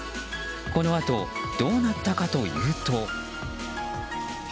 このあとどうなったかというと。